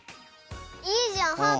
いいじゃんハート。